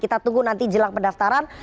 kita tunggu nanti jelang pendaftaran